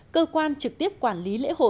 cơ quan trực tiếp quản lý